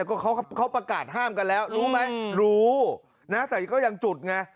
ก็เขาประกาศห้ามกันแล้วรู้ไหมรู้นะแต่ก็ยังจุดไง